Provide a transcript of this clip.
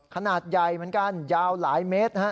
ขนาดใหญ่เหมือนกันยาวหลายเมตร